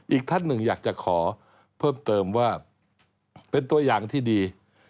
อีกท่านหนึ่งอยากจะขอเพิ่มเติมว่าเป็นตัวอย่างที่ดี